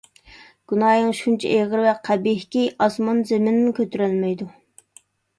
گۇناھىڭ شۇنچە ئېغىر ۋە قەبىھكى، ئاسمان - زېمىنمۇ كۆتۈرەلمەيدۇ!